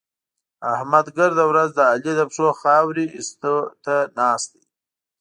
احمد ګرده ورځ د علي د پښو خاورې اېستو ته ناست دی.